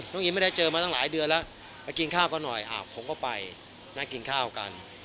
อิมไม่ได้เจอมาตั้งหลายเดือนแล้วไปกินข้าวก็หน่อยผมก็ไปนั่งกินข้าวกัน